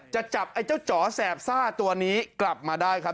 จะจับไอ้เจ้าจ๋อแสบซ่าตัวนี้กลับมาได้ครับ